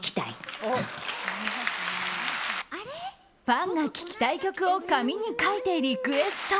ファンが聴きたい曲を紙に書いてリクエスト。